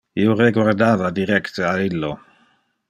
Io reguardava directe a illo.